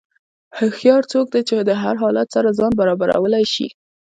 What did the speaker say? هوښیار څوک دی چې د هر حالت سره ځان برابرولی شي.